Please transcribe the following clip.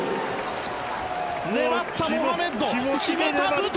粘ったモハメッド決めた武藤！